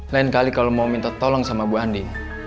lain kali kalau mau minta tolong sama bu andi